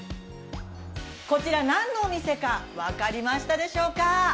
こちら何のお店か、分かりましたでしょうか？